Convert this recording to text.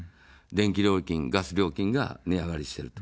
電気料金、ガス料金が値上がりしている。